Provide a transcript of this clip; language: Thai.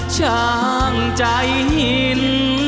ช่างใจหิน